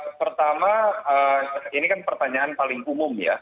ya pertama ini kan pertanyaan paling umum ya